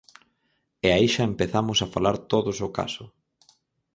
E aí xa empezamos a falar todos ao caso.